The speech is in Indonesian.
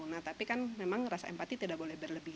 nah tapi kan memang rasa empati tidak boleh berlebih